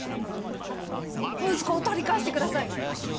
息子を取り返してください。